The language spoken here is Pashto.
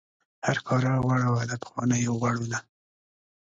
هرکاره غوړه وه د پخوانیو غوړو نه.